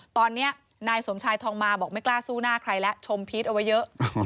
ตอนนี้นายสมชายทองมาบอกไม่กล้าสู้หน้าใครแล้วชมพีชเอาไว้เยอะ